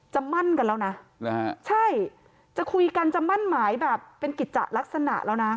มั่นกันแล้วนะใช่จะคุยกันจะมั่นหมายแบบเป็นกิจจะลักษณะแล้วนะ